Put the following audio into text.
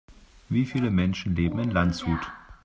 Wie viele Menschen leben in Landshut?